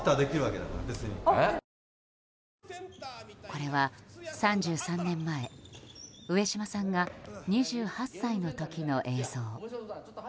これは、３３年前上島さんが２８歳の時の映像。